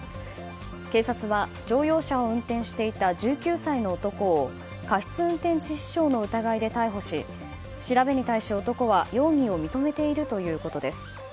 警察は、乗用車を運転していた１９歳の男を過失運転致死傷の疑いで逮捕し調べに対し男は容疑を認めているということです。